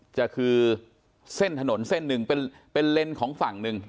จะคือเส้นถนนเส้นหนึ่งเป็นเลนส์ของฝั่งหนึ่ง